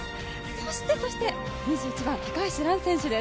そしてそして２１番、高橋藍選手です。